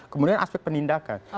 kemudian aspek penindakan